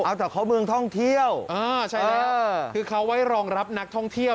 เอาแต่เขาเมืองท่องเที่ยวอ่าใช่แล้วคือเขาไว้รองรับนักท่องเที่ยว